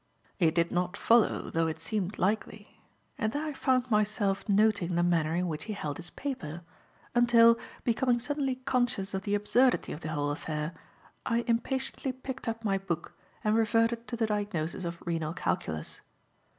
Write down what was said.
It did not follow, though it seemed likely; and then I found myself noting the manner in which he hold his paper, until, becoming suddenly conscious of the absurdity of the whole affair, I impatiently picked up my book and reverted to the diagnosis of renal calculus.